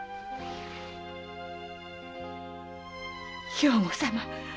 兵庫様